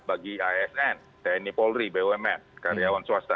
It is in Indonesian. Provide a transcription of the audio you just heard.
bagi asn tni polri bumn karyawan swasta